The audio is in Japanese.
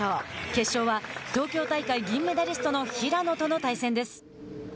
決勝は東京大会銀メダリストの平野との対戦です。